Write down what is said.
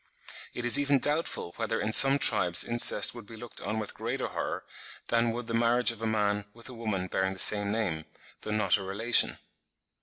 It is even doubtful whether in some tribes incest would be looked on with greater horror, than would the marriage of a man with a woman bearing the same name, though not a relation.